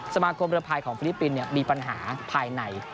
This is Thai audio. สมาคมเรือภายของฟิลิปปินส์มีปัญหาภายใน